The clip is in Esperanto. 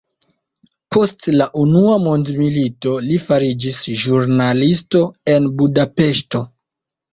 Post la unua mondmilito li fariĝis ĵurnalisto en Budapeŝto.